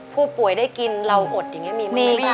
ผู้ป่วยได้กินเราอดอย่างนี้มีไหมคะ